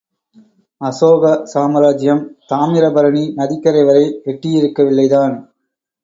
அசோக சாம்ராஜ்யம் தாமிரபருணி நதிக்கரை வரை எட்டியிருக்கவில்லைதான்.